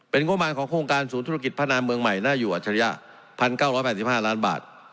งบมารของโครงการศูนย์ธุรกิจพนามเมืองใหม่น่าอยู่อัจฉริยะ๑๙๘๕ล้านบาท